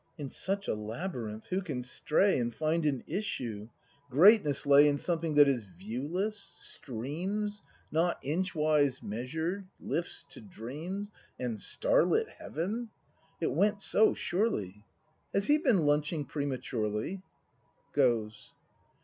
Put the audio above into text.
] In such a labyrinth who can stray And find an issue ? Greatness lay ACT V] BRAND 233 In something that is "viewless," "streams," "Not inchwise measured," "Hfts to dreams," And "starlit heaven?" It went so, surely? Has he been lunching prematurely ? [Goes.